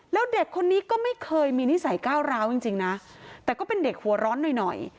แล้วเด็กคนนี้ก็ไม่เคยมีนิสัยก้าวร้าวจริงนะแต่ก็เป็นเด็กหัวร้อนหน่อยหน่อย